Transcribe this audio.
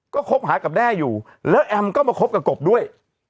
ก็คบหากับแด้อยู่แล้วแอมก็มาคบกับกบด้วย